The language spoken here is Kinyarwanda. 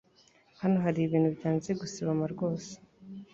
hano hari ibintu byanze gusibama rwose